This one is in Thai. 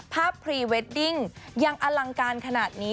พรีเวดดิ้งยังอลังการขนาดนี้